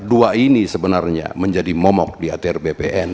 dua ini sebenarnya menjadi momok di atr bpn